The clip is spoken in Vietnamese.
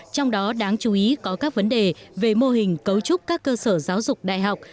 trong đó đáng chú ý có các vấn đề về mô hình cấu trúc các cơ sở giáo dục đại học